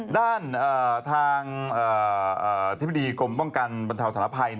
ด้านทางเย็บบิดีกลมป้องกันบรรเทาสถานภัย